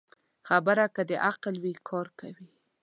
خبره که د عقل وي، کار کوي